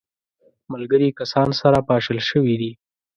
ملګري کسان سره پاشل سوي دي.